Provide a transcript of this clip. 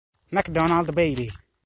McDonald Bailey